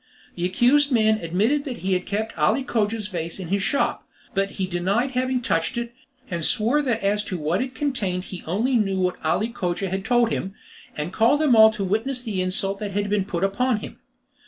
The accused man admitted that he had kept Ali Cogia's vase in his shop; but he denied having touched it, and swore that as to what it contained he only knew what Ali Cogia had told him, and called them all to witness the insult that had been put upon him.